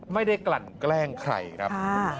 ไม่ได้กลั่นแกล้งใครครับ